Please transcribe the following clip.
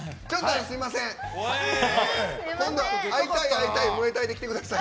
今度は会いたい、会いたいムエタイで来てください。